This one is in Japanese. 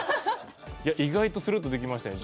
意外とスルッとできましたね。